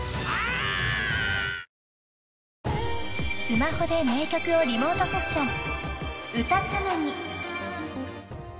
［スマホで名曲をリモートセッション］